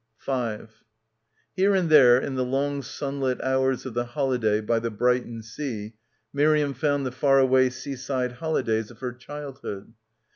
5 Here and there in the long sunlit hours of the holiday by the Brighton sea Miriam found the far away seaside holidays of her childhood.